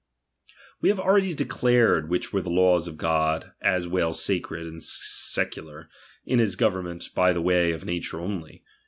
We have already declared which were the laws of God, as well sacred as secular, in his go vernment by the way of nature only.